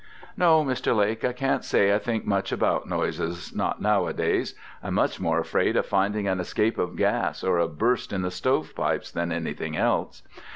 "No, Mr. Lake, I can't say I think much about noises, not nowadays: I'm much more afraid of finding an escape of gas or a burst in the stove pipes than anything else.